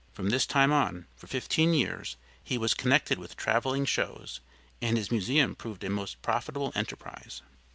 From this time on, for fifteen years, he was connected with traveling shows, and his museum proved a most profitable enterprise.